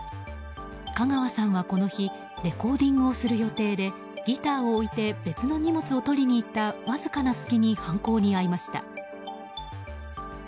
カガワさんはこの日レコーディングをする予定でギターを置いて別の荷物を取りに行ったわずかな隙に犯行に遭いました。